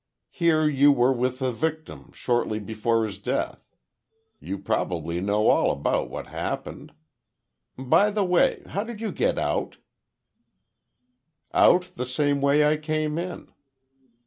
Here you were with the victim, shortly before his death, you probably know all about what happened. By the way, how did you get out?" "Out the same way I came in."